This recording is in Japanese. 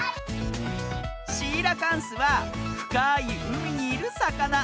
シーラカンスはふかいうみにいるさかな。